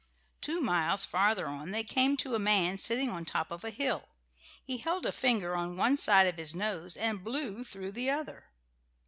Two miles farther on they came to a man sitting on top of a hill. He held a finger on one side of his nose and blew through the other.